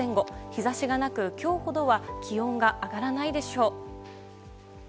日差しがなく、今日ほどは気温が上がらないでしょう。